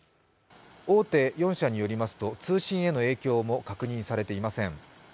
大手４社によりますと通信への影響も確認されていません。